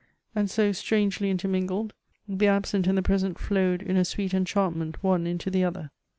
And so, strangely intermingled, the absent' and the present flowed in a sweet enchantment one into the other.